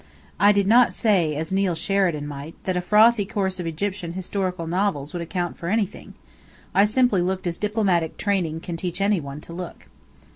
I did not say, as Neill Sheridan might, that a frothy course of Egyptian historical novels would account for anything. I simply looked as diplomatic training can teach any one to look.